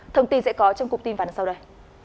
thông tin sẽ có trong cuộc tin phản ứng sau đây